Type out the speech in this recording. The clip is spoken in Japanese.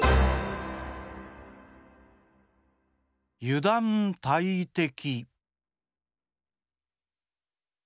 油断大敵。